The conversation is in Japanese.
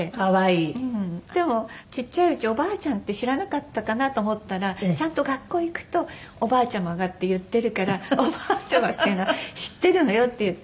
でもちっちゃいうちおばあちゃんって知らなかったかなと思ったらちゃんと学校行くと「おばあちゃまが」って言ってるから「おばあちゃまっていうの知ってるのよ」って言ってました。